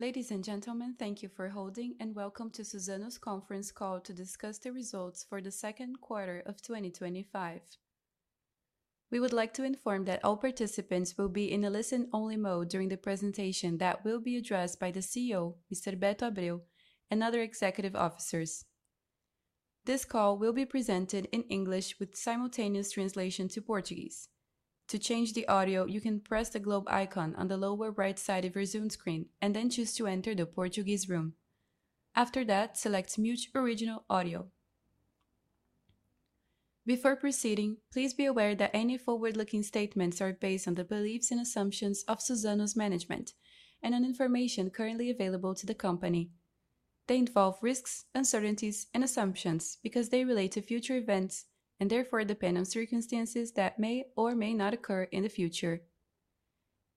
Ladies and gentlemen, thank you for holding and welcome to Suzano conference call to discuss the results for the second quarter of 2025. We would like to inform that all participants will be in a listen-only mode during the presentation that will be addressed by the CEO, Beto Abreu, and other executive officers. This call will be presented in English with simultaneous translation to Portuguese. To change the audio, you can press the globe icon on the lower right side of your Zoom screen and then choose to enter the Portuguese room. After that, select Mute original audio. Before proceeding, please be aware that any forward-looking statements are based on the beliefs and assumptions of Suzano's management and on information currently available to the company. They involve risks, uncertainties, and assumptions because they relate to future events and therefore depend on circumstances that may or may not occur in the future.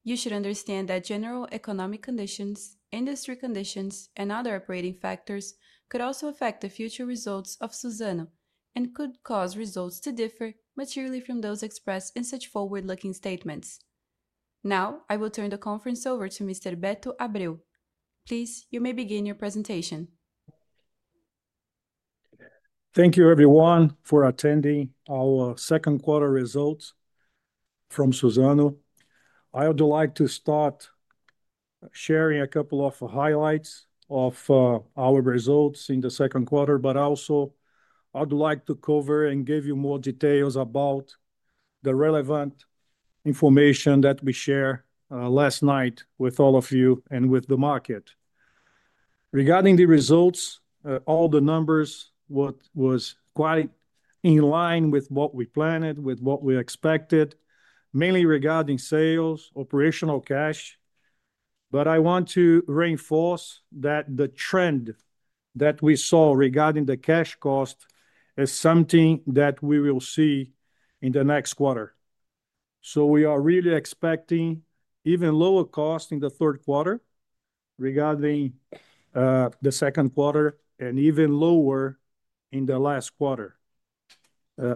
You should understand that general economic conditions, industry conditions, and other operating factors could also affect the future results of Suzano and could cause results to differ materially from those expressed in such forward-looking statements. Now I will turn the conference over to Mr. Beto Abreu. Please, you may begin your presentation. Thank you everyone for attending our second quarter results from Suzano. I would like to start sharing a couple of highlights of our results in the second quarter, but also I'd like to cover and give you more details about the relevant information that we shared last night with all of you and with the market. Regarding the results, all the numbers were quite in line with what we planned, with what we expected, mainly regarding sales, operational, cash. I want to reinforce that the trend that we saw regarding the cash cost is something that we will see in the next quarter. We are really expecting even lower cost in the third quarter regarding the second quarter and even lower in the last quarter.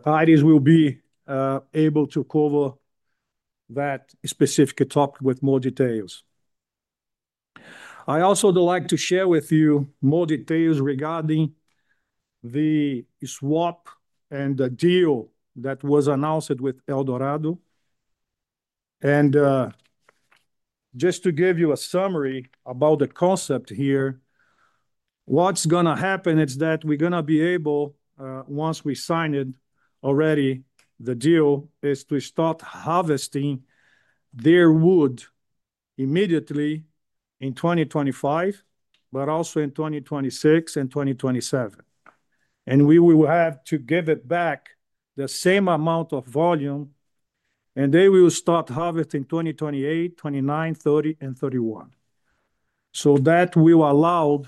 Aires will be able to cover that specific topic with more details. I also would like to share with you more details regarding the swap and the deal that was announced with Eldorado. Just to give you a summary about the concept here, what's going to happen is that we're going to be able, once we sign it already, the deal is to start harvesting their wood immediately in 2025, but also in 2026 and 2027, and we will have to give back the same amount of volume and they will start harvesting 2028, 2029, 2030, and 2031. That will allow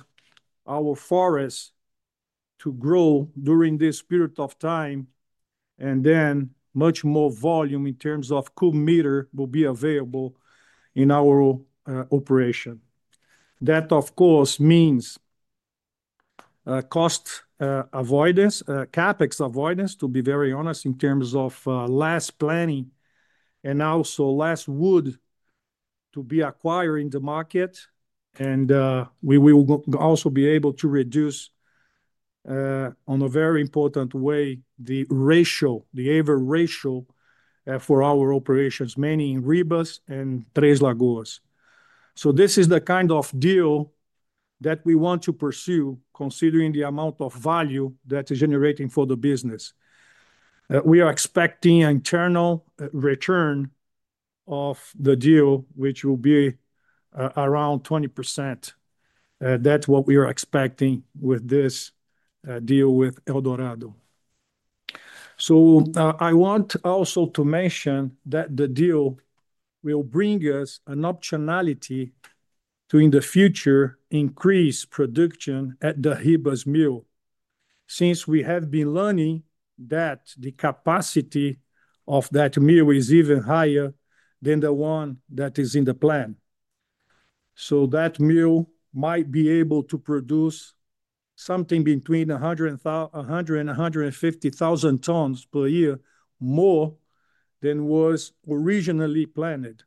our forest to grow during this period of time and then much more volume in terms of cubic meter will be available in our operation. That of course means cost avoidance, CapEx avoidance to be very honest in terms of less planning and also less wood to be acquired in the market. We will also be able to reduce in a very important way the ratio, the average ratio for our operations, meaning Ribas and Três Lagoas. This is the kind of deal that we want to pursue, considering the amount of value that is generating for the business. We are expecting internal rate of return of the deal which will be around 20%. That's what we are expecting with this deal with Eldorado. I want also to mention that the deal will bring us an optionality to in the future increase production at the Ribas mill, since we have been learning that the capacity of that mill is even higher than the one that is in the plan. That mill might be able to produce something between 100,000 and 150,000 tons per year more than was originally planned.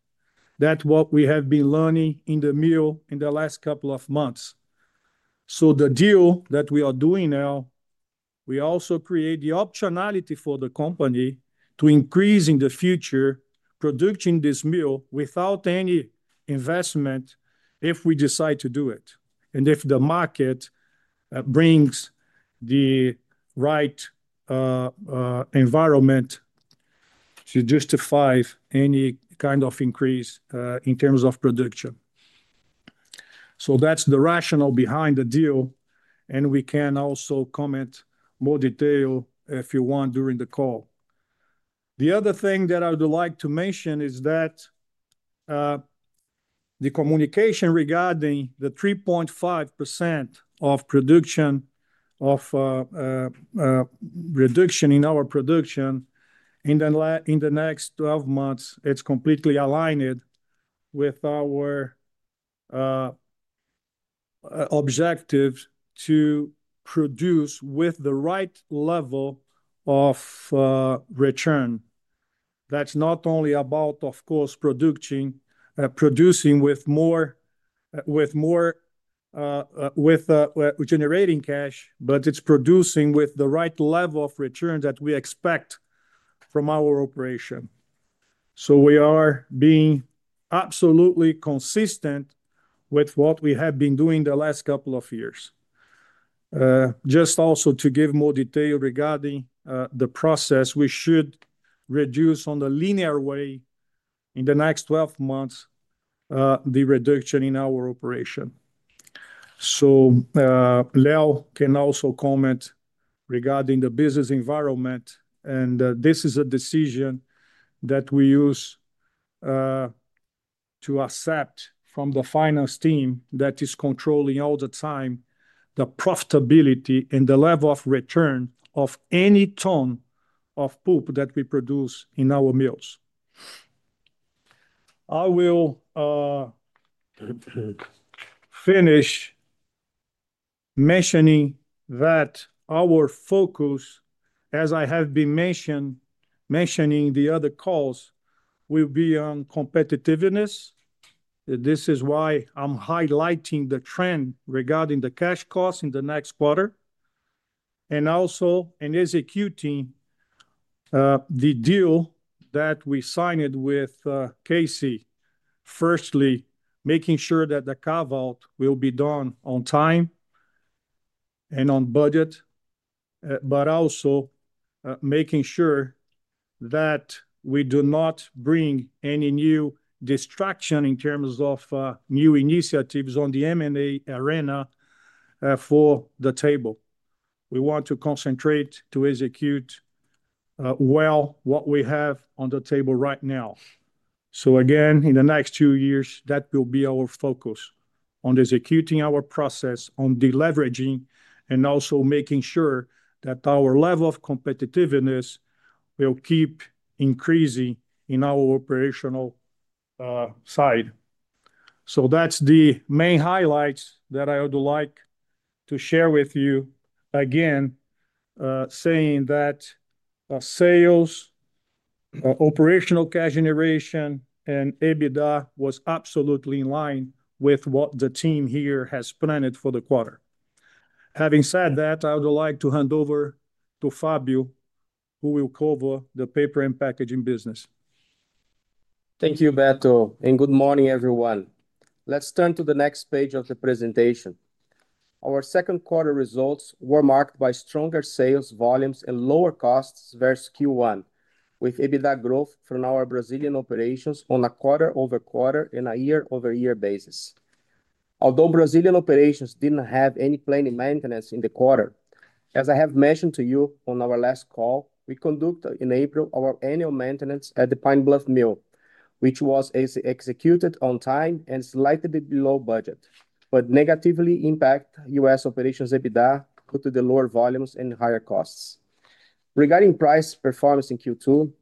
That's what we have been learning in the mill in the last couple of months. The deal that we are doing now also creates the optionality for the company to increase in the future production at this mill without any investment if we decide to do it and if the market brings the right environment to justify any kind of increase in terms of production. That's the rationale behind the deal. We can also comment in more detail if you want, during the call. The other thing that I would like to mention is the communication regarding the 3.5% reduction in our production in the next 12 months. It's completely aligned with our objectives to produce with the right level of return. That's not only about, of course, producing more and generating cash, but it's producing with the right level of return that we expect from our operation. We are being absolutely consistent with what we have been doing the last couple of years. Just to give more detail regarding the process, we should reduce in a linear way in the next 12 months the reduction in our operation. Leo can also comment regarding the business environment. This is a decision that we use to accept from the finance team that is controlling all the time the profitability and the level of return of any ton of pulp that we produce in our mills. I will finish mentioning that our focus, as I have been mentioning in the other calls, will be on competitiveness. This is why I'm highlighting the trend regarding the cash cost in the next quarter and also in executing the deal that we signed with KC. Firstly, making sure that the carve-out will be done on time and on budget, but also making sure that we do not bring any new distraction in terms of new initiatives on the M&A arena to the table. We want to concentrate to execute well what we have on the table right now. In the next two years, that will be our focus: executing our process, deleveraging, and also making sure that our level of competitiveness will keep increasing on our operational side. That's the main highlight that I would like to share with you, again saying that sales, operational, cash generation, and EBITDA were absolutely in line with what the team here has planned for the quarter. Having said that, I would like to hand over to Fabio, who will cover the paper and packaging business. Thank you Beto and good morning everyone. Let's turn to the next page of the presentation. Our second quarter results were marked by stronger sales volumes and lower costs versus Q1, with EBITDA growth from our Brazilian operations on a quarter-over- quarter and a year-over-year basis. Although Brazilian operations didn't have any planned maintenance in the quarter, as I have mentioned to you on our last call, we conducted in April our annual maintenance at the Pine Bluff mill, which was executed on time and slightly below budget but negatively impacted U.S. operations EBITDA due to the lower volumes and higher costs. Regarding price performance in Q2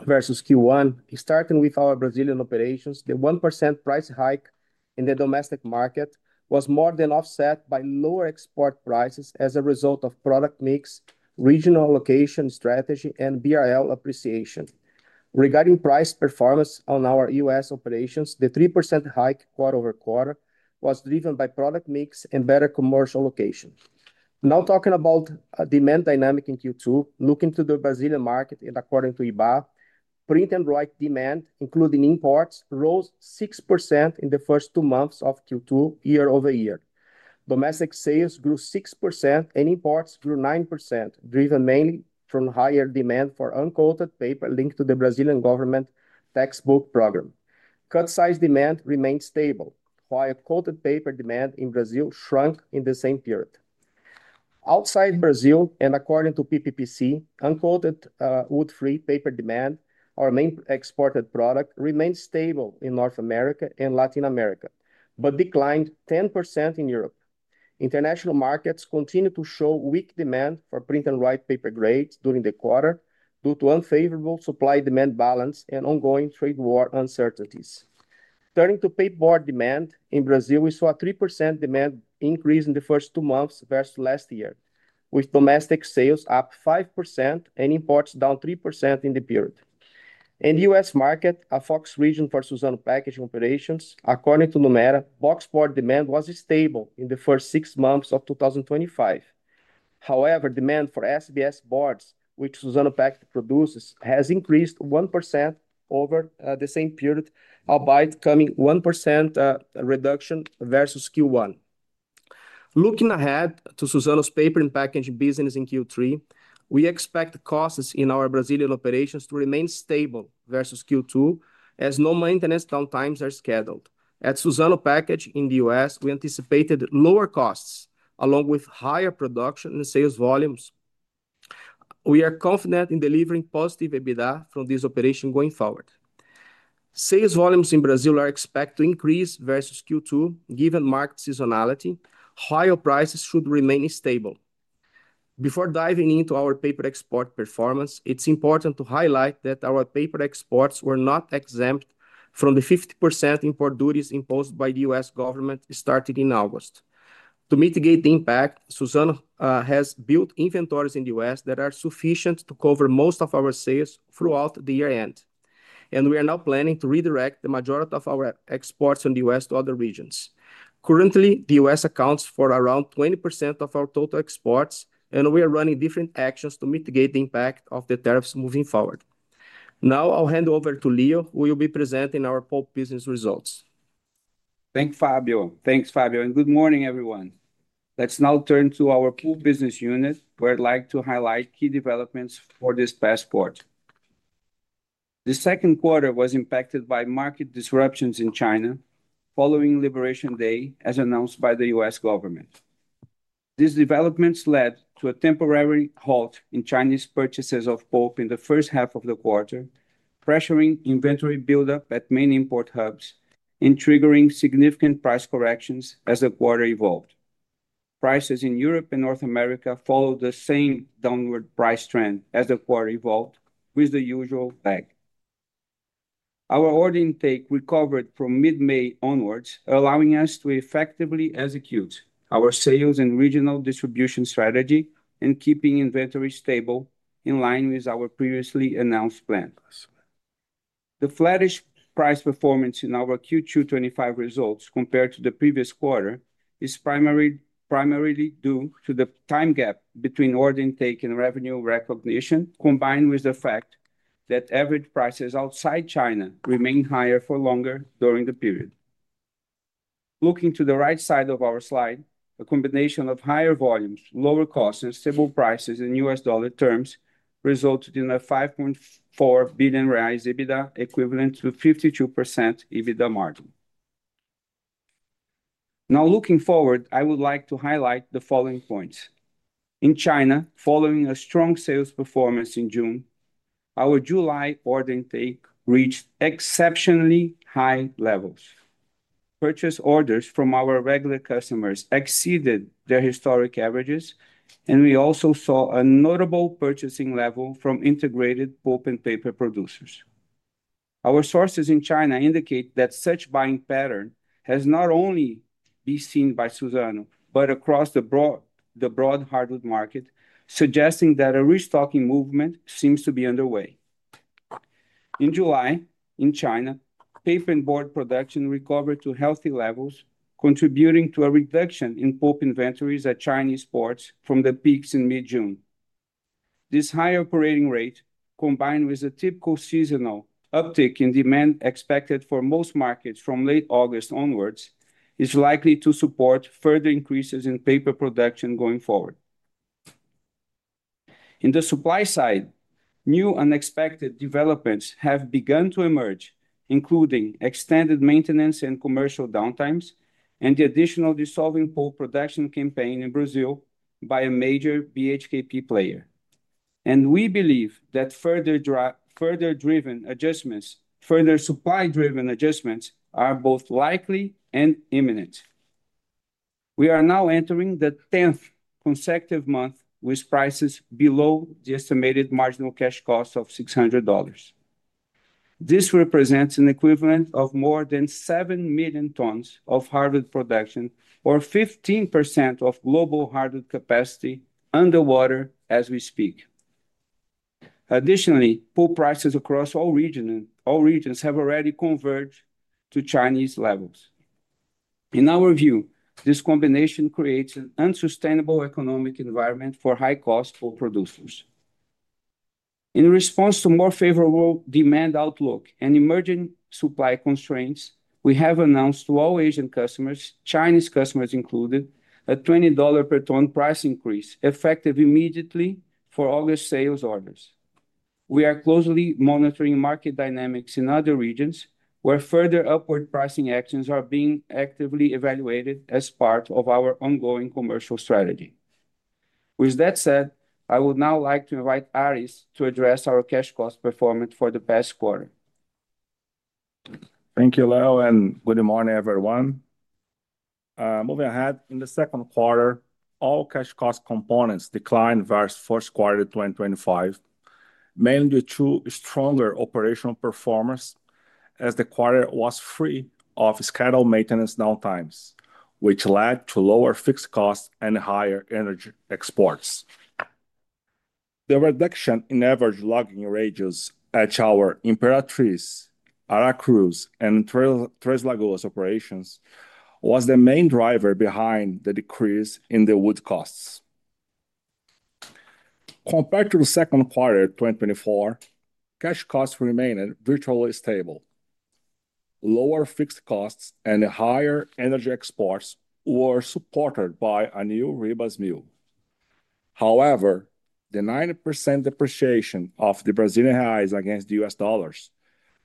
versus Q1, starting with our Brazilian operations, the 1% price hike in the domestic market was more than offset by lower export prices as a result of product mix, regional location strategy, and BRL appreciation. Regarding price performance on our U.S. operations, the 3% hike quarter-over-quarter was driven by product mix and better commercial locations. Now talking about demand dynamics in Q2, looking to the Brazilian market and according to IBA, print and write demand including imports rose 6% in the first two months of Q2 year-over-year, domestic sales grew 6%, and imports grew 9%, driven mainly from higher demand for uncoated paper linked to the Brazilian government textbook program. Cut size demand remained stable while coated paper demand in Brazil shrunk in the same period. Outside Brazil and according to PPPC, uncoated woodfree paper demand, our main exported product, remains stable in North America and Latin America but declined 10% in Europe. International markets continue to show weak demand for print and write paper grades during the quarter due to unfavorable supply-demand balance and ongoing trade war uncertainties. Turning to paperboard demand in Brazil, we saw a 3% demand increase in the first two months versus last year, with domestic sales up 5% and imports down 3% in the period. In the U.S. market, a focus region for Suzano packaging operations, according to Lumera, boxboard demand was stable in the first six months of 2025. However, demand for SBS boards, which Suzano packaging produces, has increased 1% over the same period, albeit coming from a 1% reduction versus Q1. Looking ahead to Suzano's paper and packaging business in Q3, we expect costs in our Brazilian operations to remain stable versus Q2 as no maintenance downtimes are scheduled. At Suzano packaging in the U.S., we anticipate lower costs along with higher production and sales volumes. We are confident in delivering positive EBITDA from this operation. Going forward, sales volumes in Brazil are expected to increase versus Q2. Given market seasonality, higher prices should remain stable. Before diving into our paper export performance, it's important to highlight that our paper exports were not exempt from the 50% import duties imposed by the U.S. government starting in August. To mitigate the impact, Suzano has built inventories in the U.S. that are sufficient to cover most of our sales throughout the year end, and we are now planning to redirect the majority of our exports in the U.S. to other regions. Currently, the U.S. accounts for around 20% of our total exports, and we are running different actions to mitigate the impact of the tariffs moving forward. Now I'll hand over to Leo who will be presenting our pulp business results. Thank you, Fabio. Thanks, Fabio, and good morning, everyone. Let's now turn to our pulp business unit where I'd like to highlight key developments for this past quarter. The second quarter was impacted by market disruptions in China following Liberation Day, as announced by the U.S. Government. These developments led to a temporary halt in Chinese purchases of pulp in the first half of the quarter, pressuring inventory buildup at main import hubs and triggering significant price corrections. As the quarter evolved, prices in Europe and North America followed the same downward price trend with the usual lag. Our order intake recovered from mid-May onwards, allowing us to effectively execute our sales and regional distribution strategy and keeping inventory stable in line with our previously announced plan. The flattish price performance in our Q2 2025 results compared to the previous quarter is primarily due to the time gap between order intake and revenue recognition, combined with the fact that average prices outside China remained higher for longer during the period. Looking to the right side of our slide, a combination of higher volumes, which lowered costs, and stable prices in U.S. dollar terms resulted in a 5.4 billion reais EBITDA, equivalent to a 52% EBITDA margin. Now, looking forward, I would like to highlight the following points. In China, following a strong sales performance in June, our July order intake reached exceptionally high levels. Purchase orders from our regular customers exceeded their historic averages, and we also saw a notable purchasing level from integrated pulp and paper producers. Our sources in China indicate that such buying pattern has not only been seen by Suzano, but across the broad hardwood market, suggesting that a restocking movement seems to be underway. In July in China, paper and board production recovered to healthy levels, contributing to a reduction in pulp inventories at Chinese ports from the peaks in mid-June. This high operating rate, combined with a typical seasonal uptick in demand expected for most markets from late August onwards, is likely to support further increases in paper production going forward. On the supply side, new unexpected developments have begun to emerge, including extended maintenance and commercial downtimes and the additional dissolving pulp production campaign in Brazil by a major BHKP player. We believe that further supply driven adjustments are both likely and imminent. We are now entering the 10th consecutive month with prices below the estimated marginal cash cost of $600. This represents an equivalent of more than 7 million tons of hardwood production or 15% of global hardwood capacity underwater as we speak. Additionally, pulp prices across all regions have already converged to Chinese levels. In our view, this combination creates an unsustainable economic environment for high cost pulp producers. In response to a more favorable demand outlook and emerging supply constraints, we have announced to all Asian customers, Chinese customers included, a $20 per ton price increase effective immediately for August sales orders. We are closely monitoring market dynamics in other regions where further upward pricing actions are being actively evaluated as part of our ongoing commercial strategy. With that said, I would now like to invite Aires to address our cash cost performance for the past quarter. Thank you, Leo, and good morning, everyone. Moving ahead in the second quarter, all cash cost components declined versus first quarter 2025, mainly due to stronger operational performance as the quarter was free of scheduled maintenance downtimes, which led to lower fixed costs and higher energy exports. The reduction in average logging radius at our Imperatriz, Aracruz, and Três Lagoas operations was the main driver behind the decrease in the wood costs. Compared to the second quarter 2024, cash costs remained virtually stable. Lower fixed costs and higher energy exports were supported by a new Ribas mill. However, the 9% depreciation of the Brazilian real against U.S. dollars,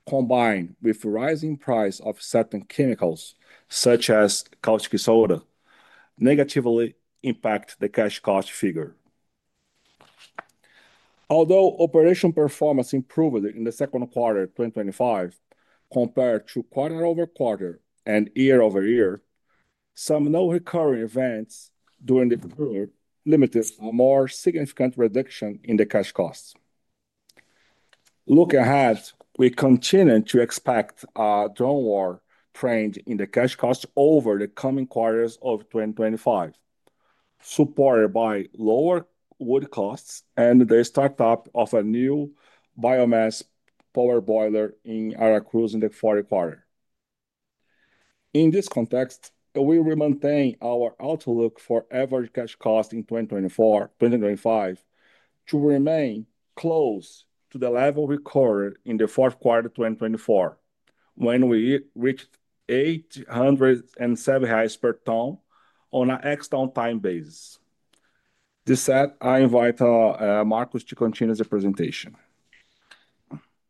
combined with rising price of certain chemicals such as caustic soda, negatively impact the cash cost figure. Although operational performance improved in the second quarter 2025 compared to quarter over quarter and year-over-year, some non-recurring events during the period limited a more significant reduction in the cash costs. Looking ahead, we continue to expect a downward trend in the cash cost over the coming quarters of 2025, supported by lower wood costs and the startup of a new biomass power boiler in Aracruz in the fourth quarter. In this context, we remain our outlook for average cash cost in 2024-2025 to remain close to the level recorded in the fourth quarter 2024, when we reached $870 per ton on an ex-stand time basis. This said, I invite Marcos to continue the presentation.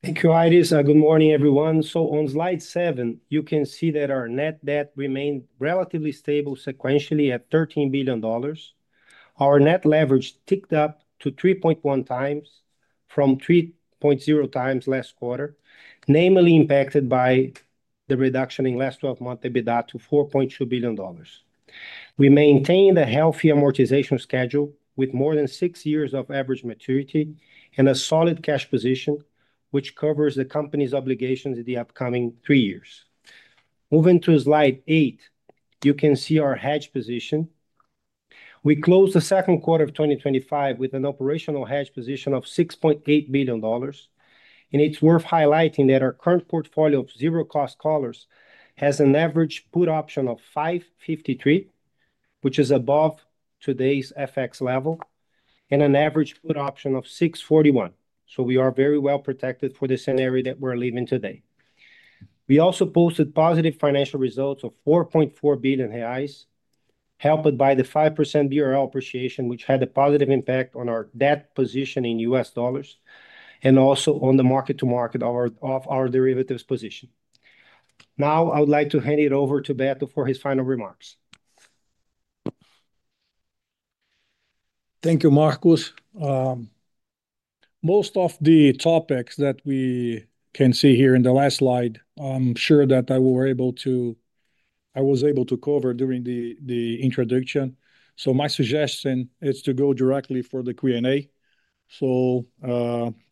Thank you, Aires. Good morning everyone. On slide 7 you can see that our net debt remained relatively stable sequentially at $13 billion. Our net leverage ticked up to 3.1x from 3.0x last quarter, namely impacted by the reduction in last 12 month EBITDA to $4.2 billion. We maintained a healthy amortization schedule with more than 6 years of average maturity and a solid cash position, which covers the company's obligations in the upcoming three years. Moving to slide eight, you can see our hedge position. We closed the second quarter of 2025 with an operational hedge position of $6.8 billion. It is worth highlighting that our current portfolio of zero cost collars has an average put option of 553, which is above today's FX level, and an average call option of 641. We are very well protected for the scenario that we're living today. We also posted positive financial results of 4.4 billion reais, helped by the 5% BRL appreciation, which had a positive impact on our debt position in U.S. dollars and also on the mark-to-market of derivatives position. Now I would like to hand it over to Beto for his final remarks. Thank you, Marcos. Most of the topics that we can see here in the last slide, I'm sure that I was able to cover during the introduction. My suggestion is to go directly to the Q and A.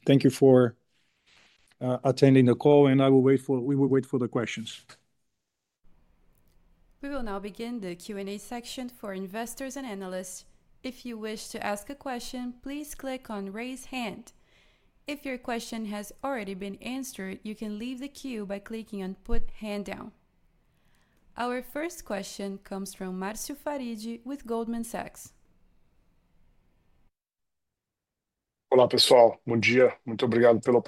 Thank you for attending the call and we will wait for the questions. We will now begin the Q&A section for investors and analysts. If you wish to ask a question, please click on Raise hand. If your question has already been answered, you can leave the queue by clicking on Put hand down. Our first question comes from Marcio Farid with Goldman Sachs. Hi Marcio. Good morning. We're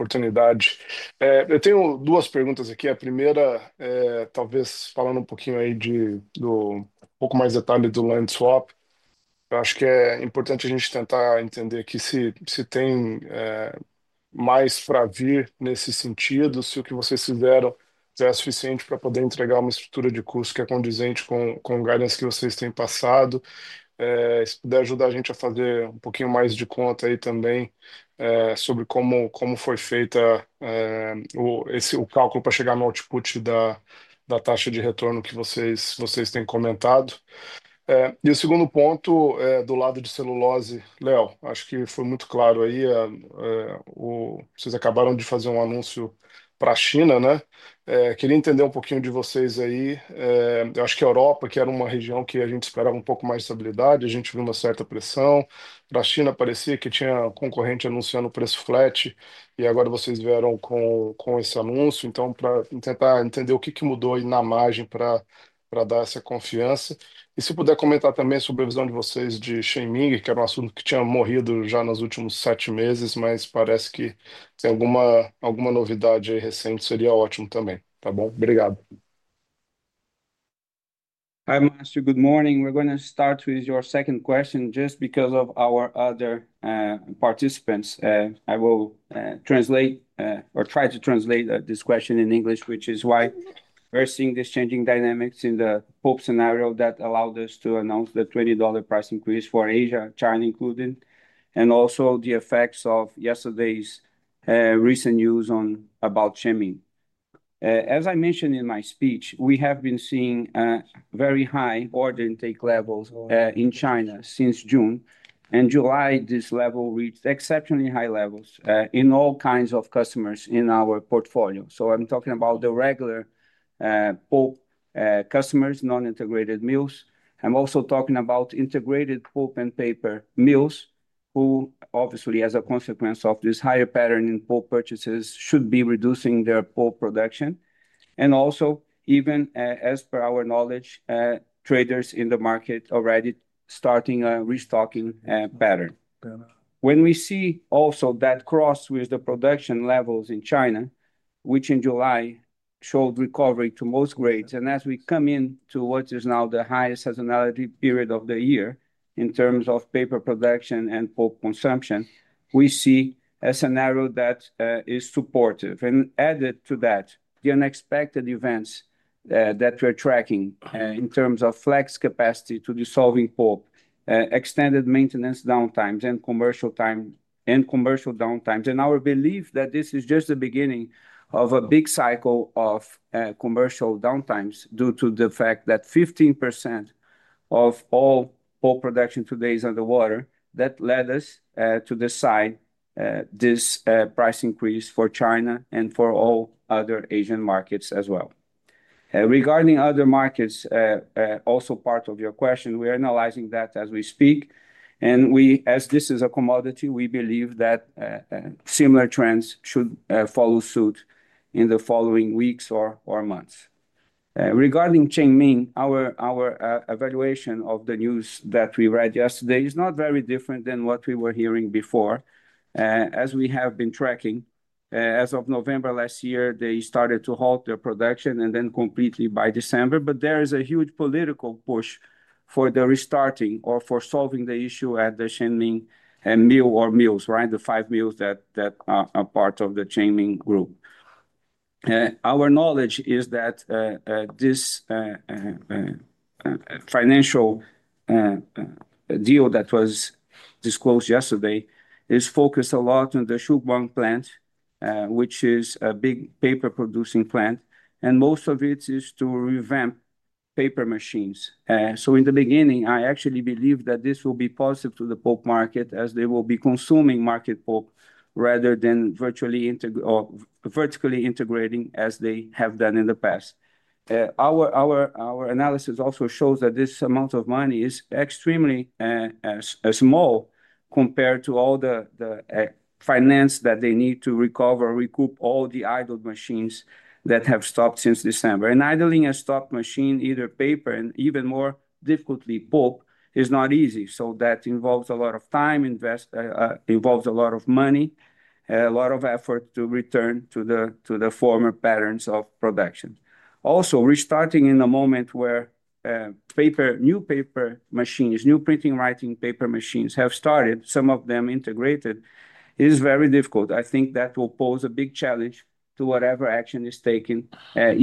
going to start with your second question. Just because of our other participants, I will translate or try to translate this question in English, which is why we're seeing this changing dynamics in the hope scenario that allowed us to announce the $20 price increase for Asia, China included, and also the effects of yesterday's recent news about Chenming. As I mentioned in my speech, we have been seeing very high order intake levels in China since June and July. This level reached exceptionally high levels in all kinds of customers in our portfolio. I'm talking about the regular pulp customers, non-integrated mills. I'm also talking about integrated pulp and paper mills who, obviously as a consequence of this higher pattern in pulp purchases, should be reducing their pulp production. Even as per our knowledge, traders in the market are already starting a restocking pattern. When we see also that cross with the production levels in China, which in July showed recovery to most grades, and as we come into what is now the highest seasonality period of the year in terms of paper production and pulp consumption, we see a scenario that is supportive. Added to that, the unexpected events that we're tracking in terms of flex capacity to dissolving pulp, extended maintenance downtimes and commercial downtimes, and our belief that this is just the beginning of a big cycle of commercial downtimes due to the fact that 15% of all production today is underwater, that led us to decide this price increase for China and for all other Asian markets as well. Regarding other markets, also part of your question, we are analyzing that as we speak, and as this is a commodity, we believe that similar trends should follow suit in the following weeks or months. Regarding Chenming, our evaluation of the news that we read yesterday is not very different than what we were hearing before. As we have been tracking, as of November last year they started to halt their production and then completely by December. There is a huge political push for the restarting or for solving the issue at the Chenming Mill or mills, the five mills that are part of the Chenming Group. Our knowledge is that this financial deal that was disclosed yesterday is focused a lot on the shoebox plant, which is a big paper producing plant, and most of it is to revamp paper machines. In the beginning, I actually believe that this will be positive to the pulp market as they will be consuming market pulp rather than virtually vertically integrating as they have done in the past. Our analysis also shows that this amount of money is extremely small compared to all the finance that they need to recover, recoup all the idle machines that have stopped since December, and idling a stock machine, either paper and even more difficultly pulp, is not easy. That involves a lot of time, involves a lot of money, a lot of effort to return to the former patterns of production. Also, restarting in the moment where new paper machines, new printing, writing paper machines have started, some of them integrated, is very difficult. I think that will pose a big challenge to whatever action is taken,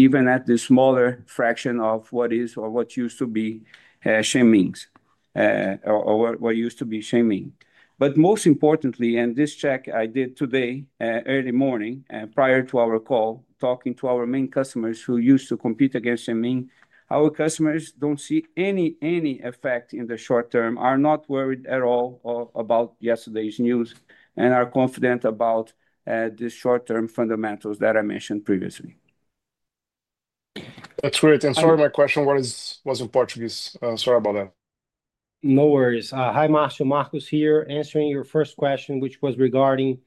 even at the smaller fraction of what is or what used to be Chenming's or what used to be Chenming. Most importantly, and this check I did today early morning prior to our call, talking to our main customers who used to compete against Chenming, our customers don't see any effect in the short term, are not worried at all about yesterday's news, and are confident about the short term fundamentals that I mentioned previously. That's great, and sorry, my question was what's in Portuguese? Sorry about that. No worries. Hi Marcio, Marcos here answering your first question which was regarding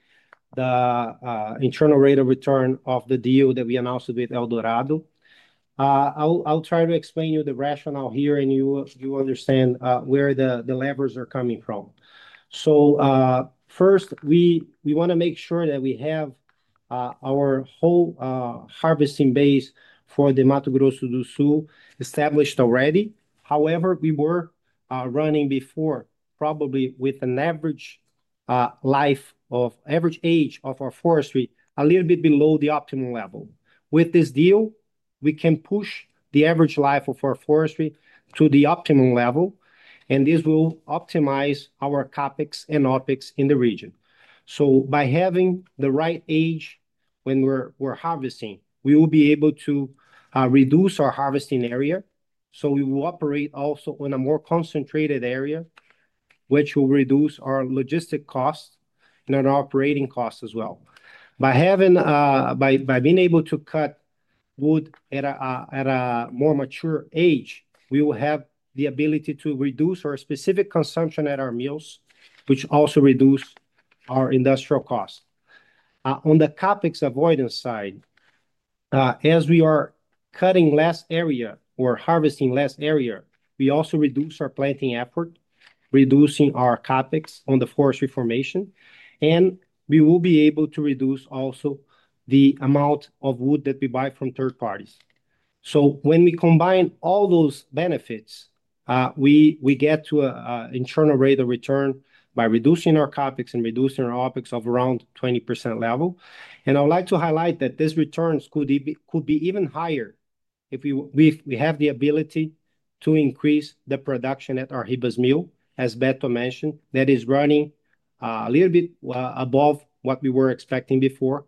the internal rate of return of the deal that we announced with Eldorado. I'll try to explain you the rationale here and you understand where the levers are coming from. First, we want to make sure that we have our whole harvesting base for the Mato Grosso do Sul established already. However, we were running before probably with an average life of average age of our forestry a little bit below the optimum level. With this deal, we can push the average life of our forestry to the optimum level and this will optimize our CapEx and OpEx in the region. By having the right age when we're harvesting, we will be able to reduce our harvesting area, so we will operate also in a more concentrated area, which will reduce our logistic cost and our operating cost as well. By being able to cut wood at a more mature age, we will have the ability to reduce our specific consumption at our mills, which also reduces our industrial cost. On the CapEx avoidance side, as we are cutting less area or harvesting less area, we also reduce our planting effort, reducing our CapEx on the forest reformation, and we will be able to reduce also the amount of wood that we buy from third parties. When we combine all those benefits, we get to internal rate of return by reducing our CapEx and reducing our OpEx of around 20% level, and I would like to highlight that these returns could be even higher if we have the ability to increase the production at our Ribas mill, as Beto mentioned, that is running a little bit above what we were expecting before,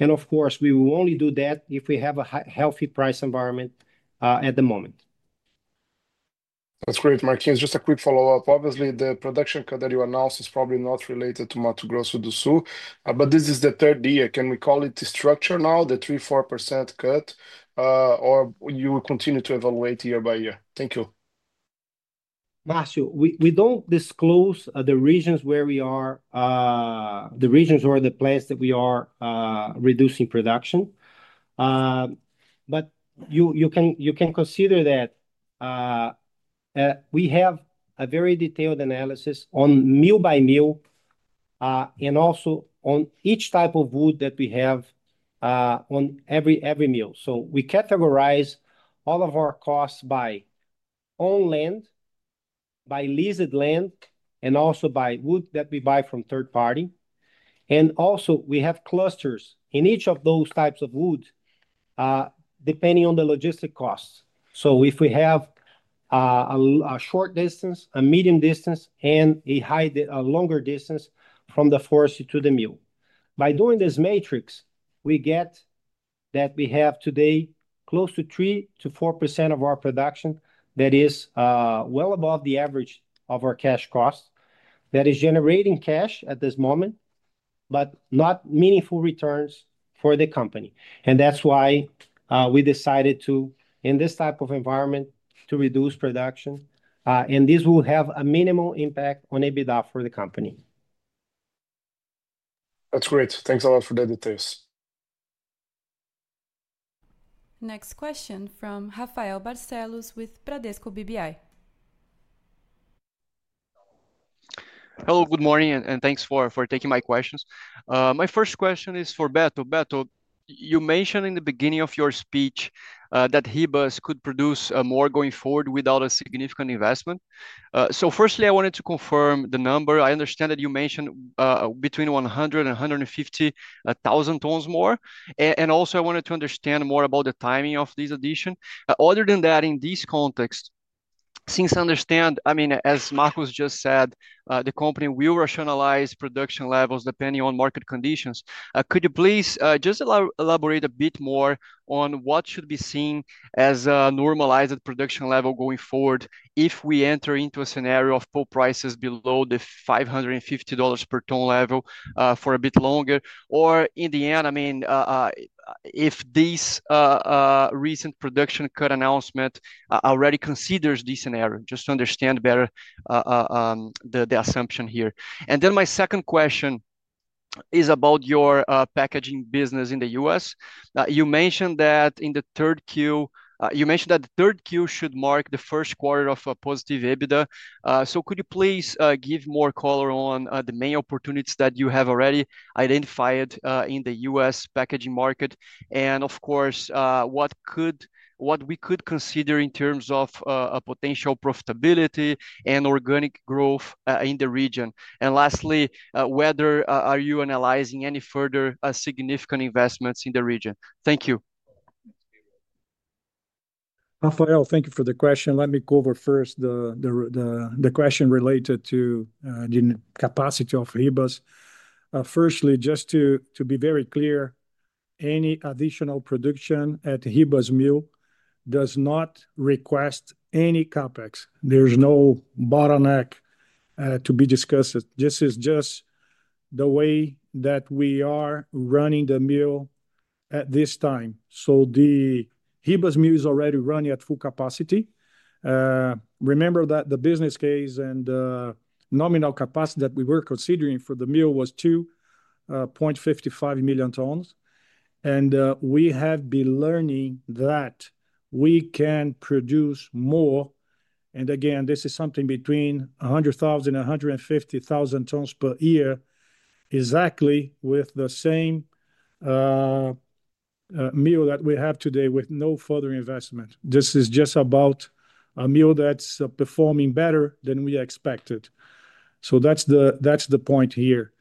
and of course we will only do that if we have a healthy price environment at the moment. That's great, Marcos. Just a quick follow-up. Obviously, the production cut that you announced is probably not related to Mato Grosso do Sul, but this is the third year. Can we call it the structure now? The 3.4% cut or you will continue to evaluate year by year? Thank you. Marcio. We don't disclose the regions where we are, the regions or the plants that we are reducing production. You can consider that we have a very detailed analysis on mill by mill and also on each type of wood that we have on every mill. We categorize all of our costs by own land, by leased land, and also by wood that we buy from third party. We have clusters in each of those types of wood, depending on the logistic costs. If we have a short distance, a medium distance, and a longer distance from the forest to the mill, by doing this matrix, we get that we have today close to 3%-4% of our production that is well above the average of our cash cost. That is generating cash at this moment, but not meaningful returns for the company. That's why we decided in this type of environment to reduce production. This will have a minimal impact on EBITDA for the company. That's great. Thanks a lot for the details. Next question from Rafael Barcellos with Bradesco BBI. Hello, good morning and thanks for taking my questions. My first question is for Beto. Beto, you mentioned in the beginning of your speech that Ribas could produce more going forward without a significant investment. Firstly, I wanted to confirm the number. I understand that you mentioned between 100,000 and 150,000 tonnes more. I also wanted to understand more about the timing of this addition. In this context, since I understand, as Marcos just said, the company will rationalize production levels depending on market conditions. Could you please just elaborate a bit more on what should be seen as a normalized production level going forward if we enter into a scenario of pulp prices below the $550 per ton level for a bit longer, or if this recent production cut announcement already considers this scenario? I want to understand better the assumption here. My second question is about your packaging business in the U.S. You mentioned that in the third quarter, the third quarter should mark the first quarter of a positive EBITDA. Could you please give more color on the main opportunities that you have already identified in the U.S. packaging market, and what we could consider in terms of potential profitability and organic growth in the region? Lastly, are you analyzing any further significant investments in the region? Thank you. Rafael. Thank you for the question. Let me cover first the question related to the capacity of Ribas. Firstly, just to be very clear, any additional production at Ribas do not request any CapEx. There's no bottleneck to be discussed. This is just the way that we are running the mill at this time. The Ribas mill is already running at full capacity. Remember that the business case and nominal capacity that we were considering for the mill was 2.55 million tons, and we had been learning that we can produce more. This is something between 100,000, 150,000 tons per year exactly with the same mill that we have today with no further investment. This is just about a mill that's performing better than we expected. That's the point here.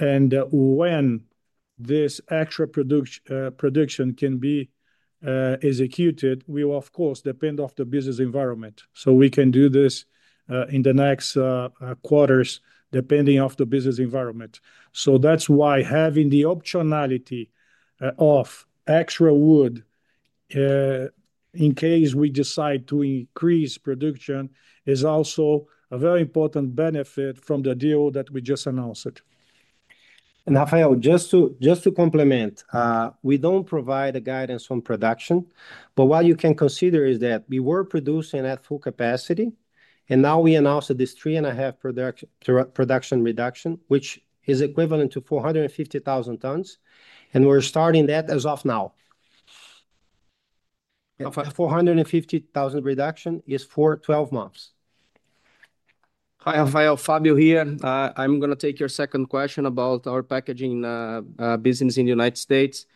When this extra production can be executed will of course depend on the business environment. We can do this in the next quarters depending on the business environment. That's why having the optionality of extra wood in case we decide to increase production is also a very important benefit from the deal that we just announced. Rafael, just to complement, we don't provide a guidance on production, but what you can consider is that we were producing at full capacity and now we announced this 3.5% production reduction, which is equivalent to 450,000 tons. We're starting that as of now. The 450,000 reduction is for 12 months. Hi, Rafael, Fabio here. I'm going to take your second question about our packaging business in the U.S.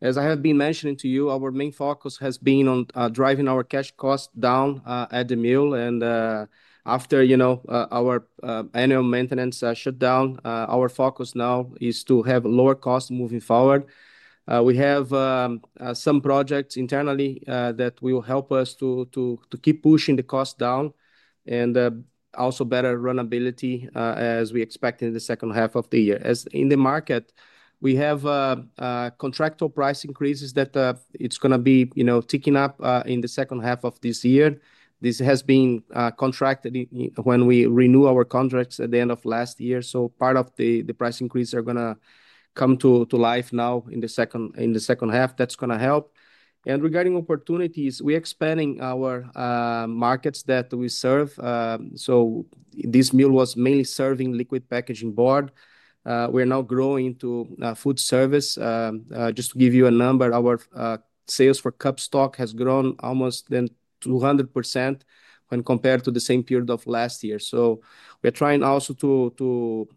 As I have been mentioning to you, our main focus has been on driving our cash cost down at the mill. After our annual maintenance shutdown, our focus now is to have lower costs moving forward. We have some projects internally that will help us to keep pushing the cost down and also better run ability as we expect in the second half of the year. In the market, we have contractual price increases that are going to be ticking up in the second half of this year. This has been contracted when we renewed our contracts at the end of last year. Part of the price increase is going to come to life now in the second half. That's going to help. Regarding opportunities, we're expanding our markets that we serve. This mill was mainly serving liquid packaging board. We're now growing into food service. Just to give you a number, our sales for cup stock have grown almost 200% when compared to the same period of last year. We are trying also to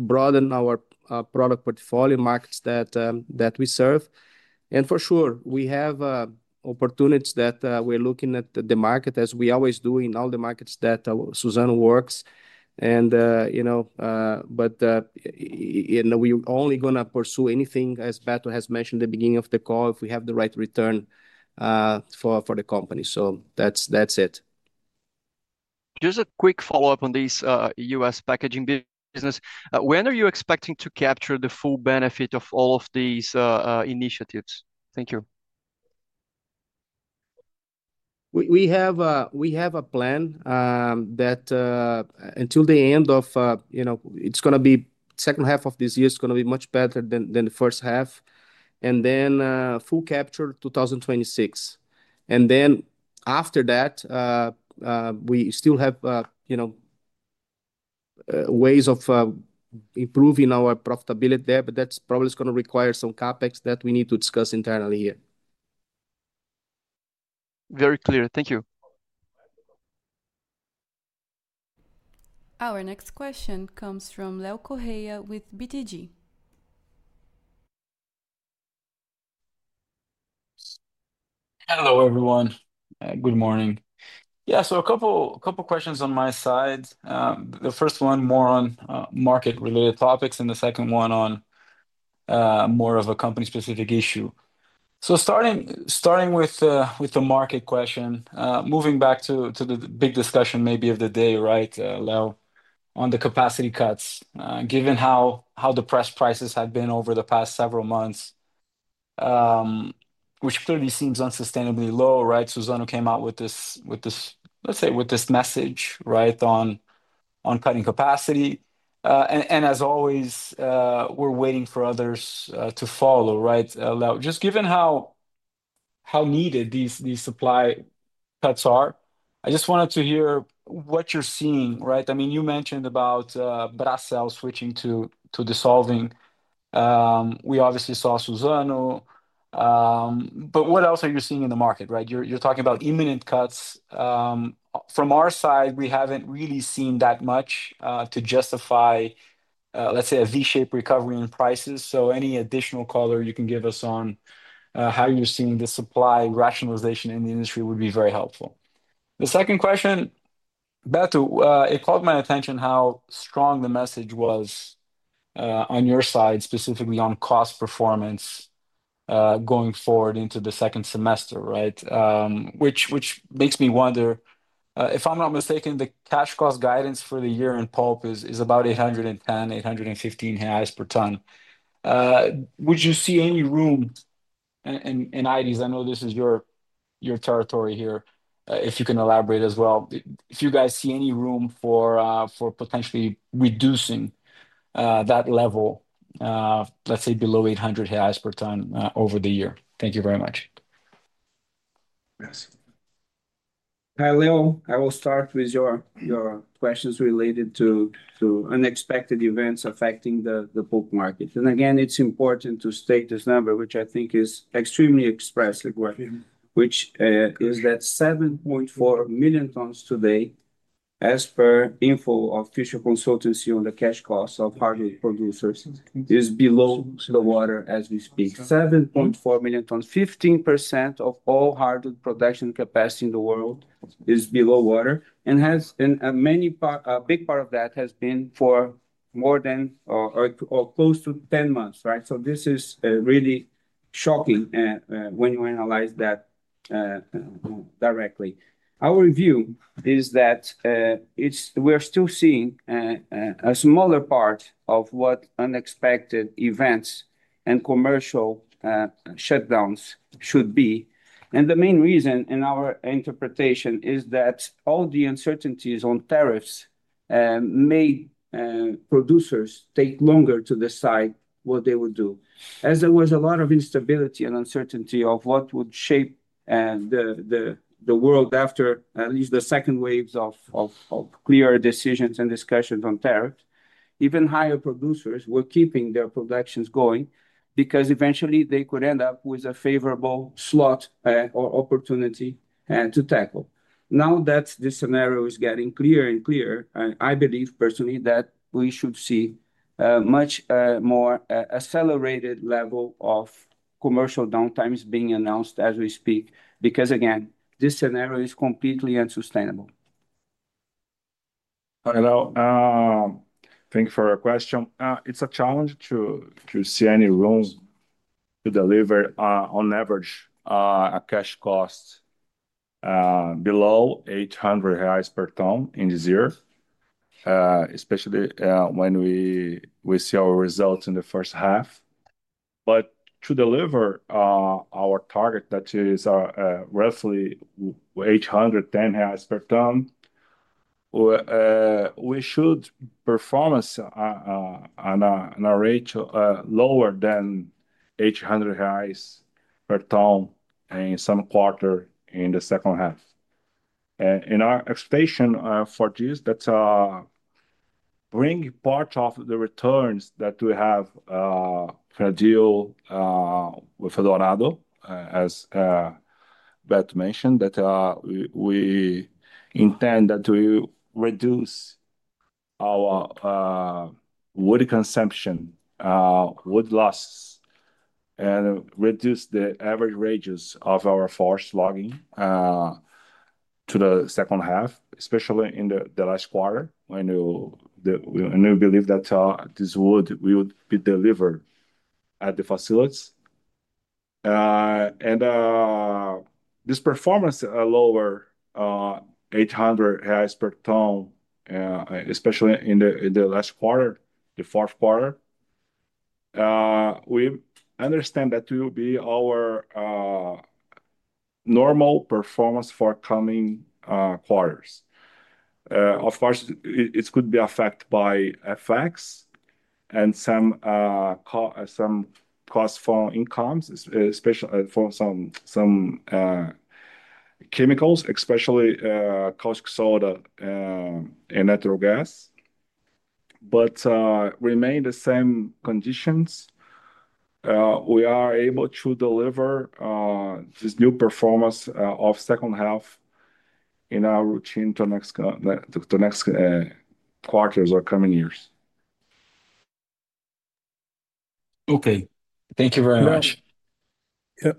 broaden our product portfolio markets that we serve. For sure we have opportunities that we're looking at the market as we always do in all the markets that Suzano works, and you know, we're only going to pursue anything as Beto has mentioned at the beginning of the call, if we have the right return for the company. That's it. Just a quick follow-up on this U.S. packaging business. When are you expecting to capture the full benefit of all of these initiatives? Thank you. We have a plan that until the end of, it's going to be second half of this year, is going to be much better than the first half, and then full capture 2026, and then after that we still have, you know, ways of improving our profitability there. That's probably going to require some CapEx that we need to discuss internally here. Very clear, thank you. Our next question comes from Leonardo Correa with BTG Pactual. Hello everyone. Good morning. I have a couple questions on my side. The first one is more on market related topics and the second one is more of a company specific issue. Starting with the market question, moving back to the big discussion maybe of the day. Right. Leo, on the capacity cuts, given how depressed prices have been over the past several months, which clearly seems unsustainably low. Suzano came out with this message on cutting capacity, and as always, we're waiting for others to follow, just given how needed these supply cuts are. I just wanted to hear what you're seeing. I mean, you mentioned about Bracell switching to dissolving. We obviously saw Suzano, but what else are you seeing in the market? You're talking about imminent cuts from our side. We haven't really seen that much to justify, let's say, a V-shaped recovery in prices. Any additional color you can give us on how you're seeing the supply rationalization in the industry would be very helpful. The second question, it caught my attention how strong the message was on your side, specifically on cost performance going forward into the second semester, which makes me wonder if I'm not mistaken, the cash cost guidance for the year in pulp is about $810, $815 per ton. Would you see any room in IDs? I know this is your territory here. If you can elaborate as well, if you guys see any room for potentially reducing that level, let's say below $800 per ton over the year. Thank you very much, Leo. I will start with your questions related to unexpected events affecting the pulp market. Again, it's important to state this number, which I think is extremely expressive, which is that 7.4 million tons today, as per info of tissue consultancy, on the cash cost of hardwood producers is below the water as we speak. 7.4 million tons, 15% of all hardwood production capacity in the world, is below water, and a big part of that has been for more than or close to 10 months. This is really shocking when you analyze that directly. Our view is that we're still seeing a smaller part of what unexpected events and commercial shutdowns should be, and the main reason in our interpretation is that all the uncertainties on tariffs made producers take longer to decide what they would do, as there was a lot of instability and uncertainty of what would shape the world. After at least the second waves of clear decisions and discussions on tariffs, even higher, producers were keeping their productions going because eventually they could end up with a favorable slot or opportunity to tackle. Now that this scenario is getting clearer and clearer, I believe personally that we should see a much more accelerated level of commercial downtimes being announced as we speak, because this scenario is completely unsustainable. Hello, thanks for your question. It's a challenge to see any room to deliver on average a cash cost below 800 reais per ton in this year, especially when we see our results in the first half. To deliver our target, that is roughly 810 reais per ton, we should performance on a ratio lower than 800 reais per ton in some quarter in the second half. In our expectation for this, that brings part of the returns that we have for a deal with Eldorado. As Beto mentioned, we intend that we reduce our wood consumption, wood loss, and reduce the average radius of our forest logging to the second half, especially in the last quarter when we believe that this wood will be delivered at the facilities. This performance lower than 800 reais per ton, especially in the last quarter, the fourth quarter. We understand that will be our normal. Performance for coming quarters. Of course, it could be affected by FX and some cost for incomes, especially for some chemicals, especially caustic soda and natural gas. If the same conditions remain, we are able to deliver this new performance of second half in our routine to next clockers upcoming years. Okay, thank you very much,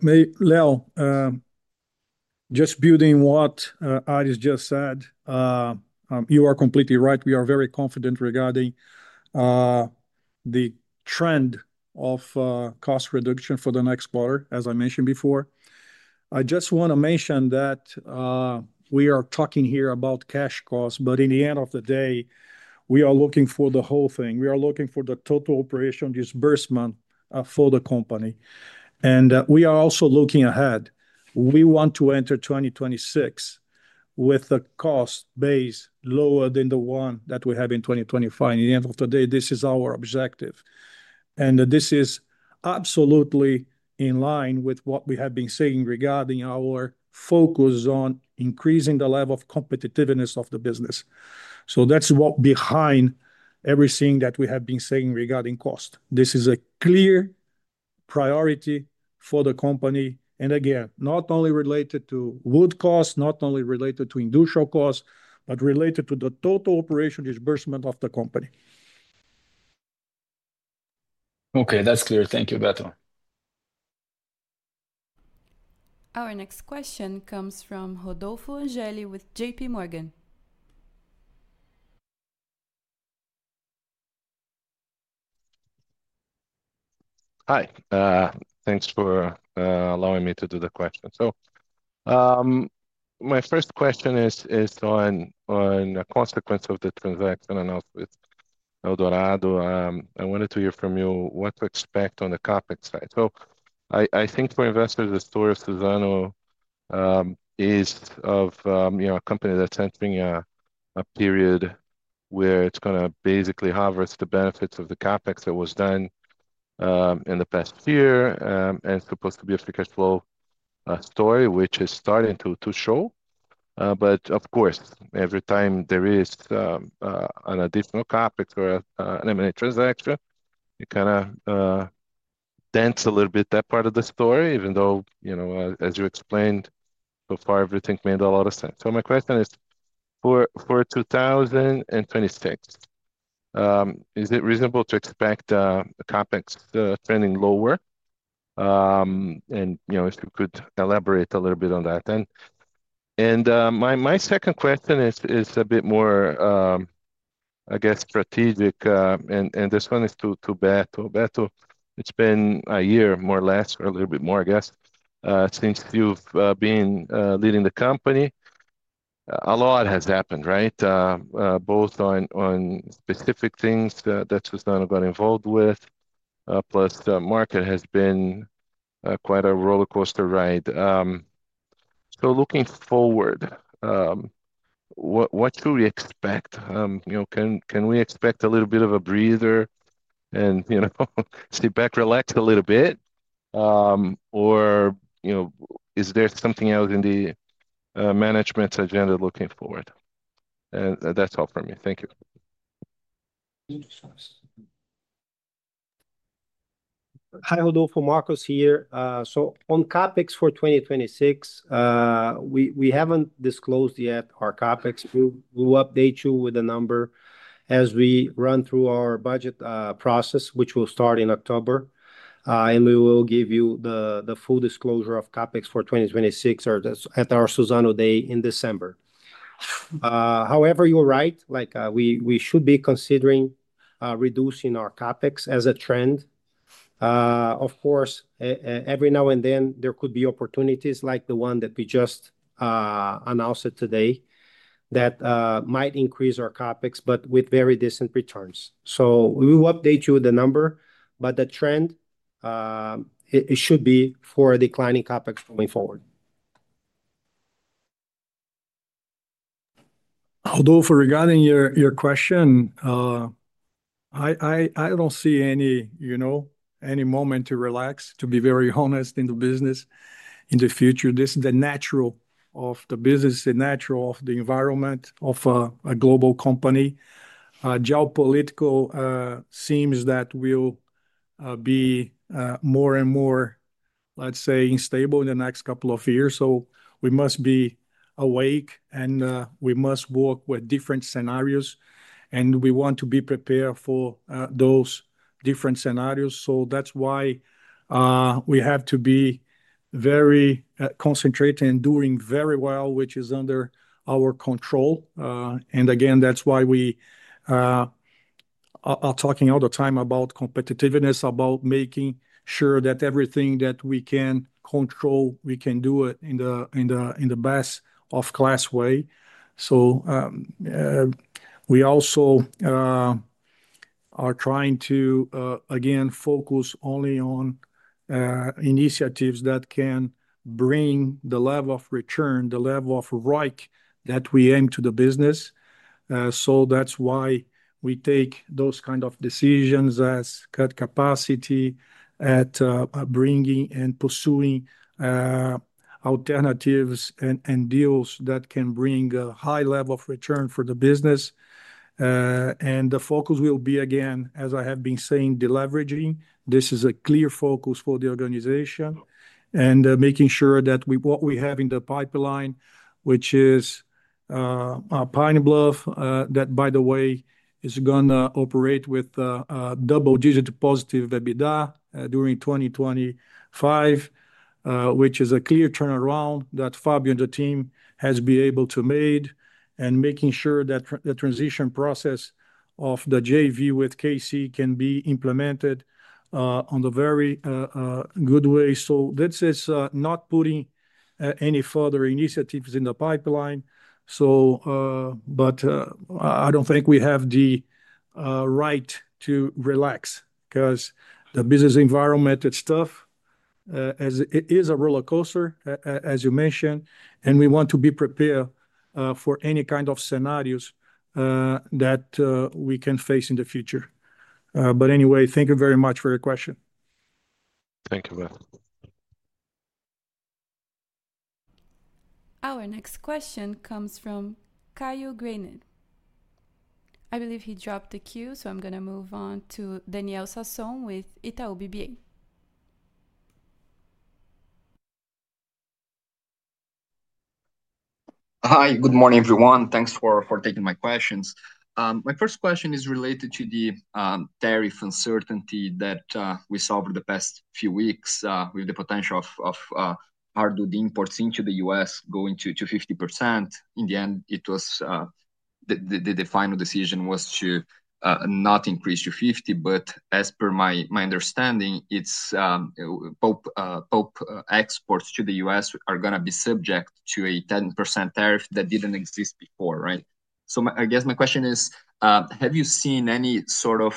Leo. Just building on what Aires just said. You are completely right. We are very confident regarding the trend of cost reduction for the next quarter. As I mentioned before, I just want to mention that we are talking here about cash costs. At the end of the day, we are looking for the whole thing. We are looking for the total operation disbursement for the company. We are also looking ahead. We want to enter 2026 with a cost base lower than the one that we have in 2025. At the end of the day, this is our objective and this is absolutely in line with what we have been saying regarding our focus on increasing the level of competitiveness of the business. That is what is behind everything that we have been saying regarding cost. This is a clear priority for the company and again, not only related to wood cost, not only related to industrial costs, but related to the total operation disbursement of the company. Okay, that's clear. Thank you, Beto. Our next question comes from Rodolfo Angele with JPMorgan. Hi, thanks for allowing me to do the question. My first question is on a consequence of the transaction and output. Eldorado, I wanted to hear from you what to expect on the CapEx side. I think for investors the story of Suzano. is of, you know, a company that's entering a period where it's going to basically harvest the benefits of the CapEx that was done in the past year and supposed to be a free cash flow story which is starting to show. Of course every time there is an additional CapEx or an M&A transaction you kind of dense a little bit that part of the story, even though, you know, as you explained so far everything made a lot of sense. My question is for 2026, is it reasonable to expect CapEx trending lower and, you know, if you could elaborate a little bit on that. My second question is a bit more, I guess, strategic and this one is to Beto. Beto, it's been a year more or less or a little bit more, I guess, since you've been leading the company, a lot has happened, right. Both on specific things that Suzano got involved with, plus the market has been quite a roller coaster ride. Looking forward, what should we expect? You know, can we expect a little bit of a breather and, you know, sit back, relax a little bit or, you know, is there something else in the management's agenda looking forward. That's all for me. Thank you. Hi Rodolfo, Marcos here. On CapEx for 2026, we haven't disclosed yet our CapEx. We'll update you with the number as we run through our budget process, which will start in October, and we will give you the full disclosure of CapEx for 2026 at our Suzano Day in December. However, you are right, like we should be considering reducing our CapEx as a trend. Of course, every now and then there could be opportunities like the one that we just announced today that might increase our CapEx but with very decent returns. We will update you with the number, but the trend should be for a declining CapEx from way forward. Although regarding your question, I don't see any, you know, any moment to relax, to be very honest, in the business in the future. This is the nature of the business, nature of the environment of a global company. Geopolitical seems that will be more and more, say, unstable in the next couple of years. We must be awake and we must work with different scenarios and we want to be prepared for those different scenarios. That's why we have to be very concentrated and doing very well, which is under our control. Again, that's why we are talking all the time about competitiveness, about making sure that everything that we can control we can do it in the best of class way. We also are trying to again focus only on initiatives that can bring the level of return, the level of risk that we aim to the business. That's why we take those kind of decisions as cut capacity and bringing and pursuing alternatives and deals that can bring a high level of return for the business. The focus will be again, as I have been saying, deleveraging. This is a clear focus for the organization and making sure that what we have in the pipeline, which is Pine Bluff, that by the way is going to operate with double-digit positive EBITDA during 2025, which is a clear turnaround that Fabio and the team has been able to make, and making sure that the transition process of the JV with KC can be implemented in a very good way. This is not putting any further initiatives in the pipeline. I don't think we have the right to relax because the business environment, it's tough, it is a roller coaster as you mentioned, and we want to be prepared for any kind of scenarios that we can face in the future. Anyway, thank you very much for your question. Thank you, Beto. Our next question comes from Caio Ribeiro. I believe he dropped the queue, so I'm going to move on to Daniel Sasson with Itau BBA. Hi, good morning everyone. Thanks for taking my questions. My first question is related to the tariff uncertainty that we saw over the past few weeks. With the potential of hardwood imports into the U.S. going to 50%, in the end the final decision was to not increase to 50%, but as per my understanding, pulp exports to the U.S. are going to be subject to a 10% tariff that didn't exist before? Right. I guess my question is have you seen any sort of